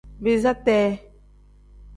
Biiza tee.